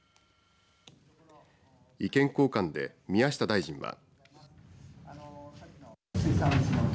意見交換で宮下大臣は。